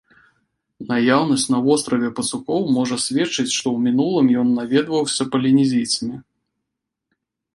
Наяўнасць на востраве пацукоў можа сведчыць, што ў мінулым ён наведваўся палінезійцамі.